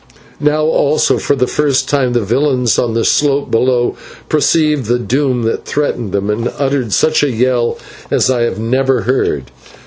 Now also for the first time the villains on the slope below perceived the doom that threatened them, and uttered such a yell as I had never heard.